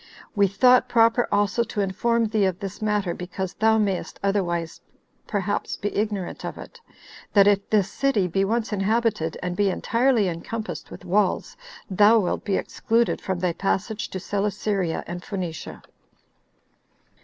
We thought proper also to inform thee of this matter, because thou mayst otherwise perhaps be ignorant of it, that if this city be once inhabited and be entirely encompassed with walls, thou wilt be excluded from thy passage to Celesyria and Phoenicia."